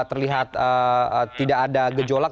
terlihat tidak ada gejolak